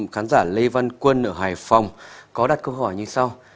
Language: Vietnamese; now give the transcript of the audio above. khán giả lê văn quân ở hải phòng có đặt câu hỏi như sau